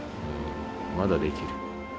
まだできる。